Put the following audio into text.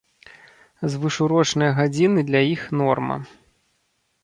Звышурочныя гадзіны для іх норма.